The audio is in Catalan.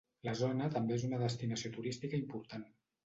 La zona també és una destinació turística important.